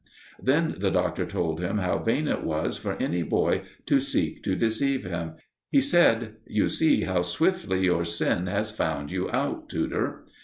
Then the Doctor told him how vain it was for any boy to seek to deceive him. He said: "You see how swiftly your sin has found you out, Tudor."